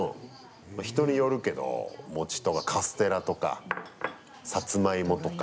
人によるけど、餅とかカステラとか、さつまいもとか。